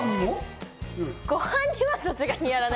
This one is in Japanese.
ご飯にも？